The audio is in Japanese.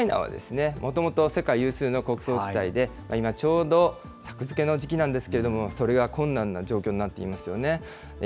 ウクライナはもともと世界有数の穀倉地帯で今ちょうど作付けの時期なんですけれども、それが困難な状況になっていますよね。